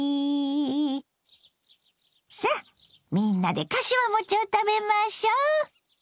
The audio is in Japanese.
さっみんなでかしわ餅を食べましょう。